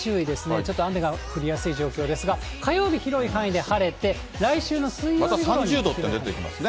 ちょっと雨が降りやすい状況ですが、火曜日、広い範囲で晴れて、来週の水曜日ごろに。また３０度っていうの出てきますね。